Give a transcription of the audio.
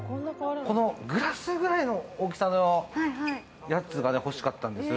このグラスぐらいの大きさのやつが欲しかったんです。